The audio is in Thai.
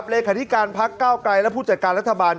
เลขาธิการพักเก้าไกลและผู้จัดการรัฐบาล